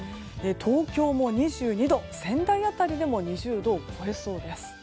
東京も２２度、仙台辺りでも２０度を超えそうです。